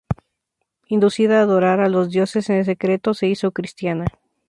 Inducida a adorar a los dioses, en secreto se hizo cristiana.